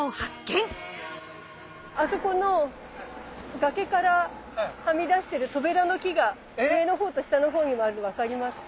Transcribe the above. あそこの崖からはみ出してるトベラの木が上の方と下の方にもあるの分かりますか？